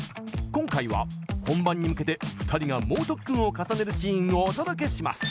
今回は、本番に向けて２人が猛特訓を重ねるシーンをお届けします！